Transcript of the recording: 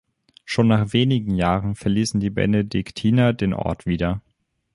Schon nach wenigen Jahren verließen die Benediktiner den Ort wieder.